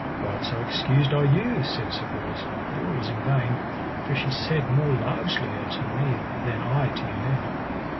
Right so excused I you, said Sir Bors, but all was in vain, for she said more largelier to me than I to you now.